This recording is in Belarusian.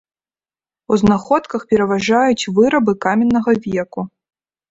У знаходках пераважаюць вырабы каменнага веку.